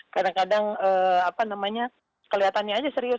kadang kadang kelihatannya aja serius